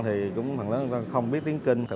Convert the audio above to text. thì cũng phần lớn không biết tiếng kinh